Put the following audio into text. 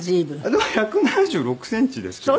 でも１７６センチですけどね。